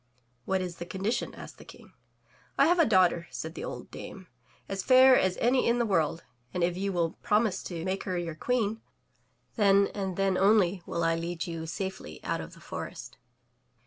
"What is the condition? asked the King. "I have a daughter, said the old dame, "as fair as any in the world, and if you will promise to make her your Queen, then and then only will I lead you safely out of the forest.